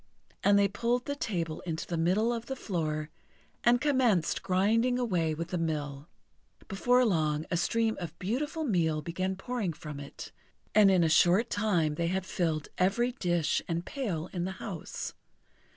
And they pulled the table into the middle of the floor, and commenced grinding away with the mill. Before long a stream of beautiful meal began pouring from it; and in a short time they had filled every dish and pail in the house.